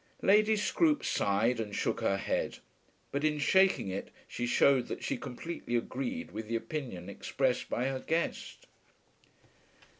Lady Scroope sighed and shook her head; but in shaking it she shewed that she completely agreed with the opinion expressed by her guest.